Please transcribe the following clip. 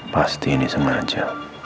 pasti ini sengaja